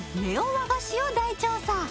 和菓子を大調査